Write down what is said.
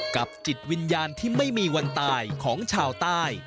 จิตวิญญาณที่ไม่มีวันตายของชาวใต้